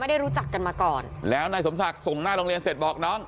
ได้รู้จักกันมาก่อนแล้วนายสมศักดิ์ส่งหน้าโรงเรียนเสร็จบอกน้อง